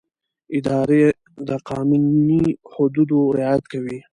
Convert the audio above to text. اداره د قانوني حدودو رعایت کوي.